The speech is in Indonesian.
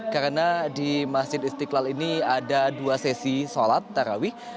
karena di masjid istiqlal ini ada dua sesi sholat tarawih